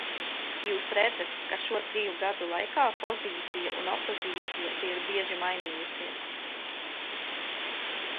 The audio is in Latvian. Jūs redzat, ka šo triju gadu laikā pozīcija un opozīcija te ir bieži mainījusies.